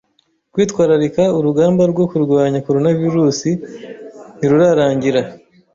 Kwitwararika Urugamba rwo kurwanya Koronavirusi ntirurarangira